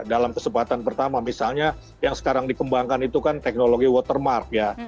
dalam kesempatan pertama misalnya yang sekarang dikembangkan itu kan teknologi watermark ya